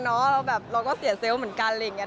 เราก็เสียเซลล์เหมือนกัน